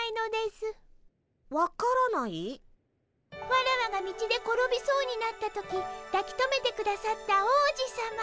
ワラワが道で転びそうになった時だきとめてくださった王子さま。